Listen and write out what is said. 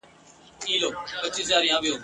ارغوان، چي زما محبوب ګل دی، تازه غوټۍ سپړلي وې ..